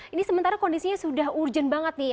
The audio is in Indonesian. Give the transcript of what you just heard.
ini sementara kondisinya sudah urgent banget nih